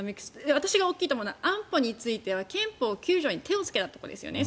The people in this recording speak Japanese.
私が大きいと思うのは安保については憲法９条に手をつけたところですね。